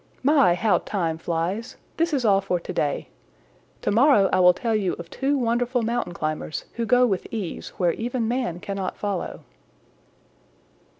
"My, how time flies! This is all for to day. To morrow I will tell you of two wonderful mountain climbers who go with ease where even man cannot follow."